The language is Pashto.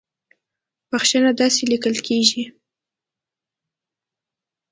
بخښنه داسې ليکل کېږي